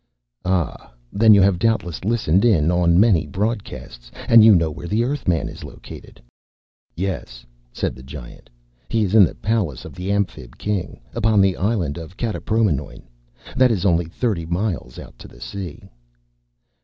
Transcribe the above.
"Ah, then you have doubtless listened in to many broadcasts. And you know where the Earthman is located?" "Yes," said the Giant. "He is in the palace of the Amphib King, upon the island of Kataproimnoin. That is only thirty miles out to the sea."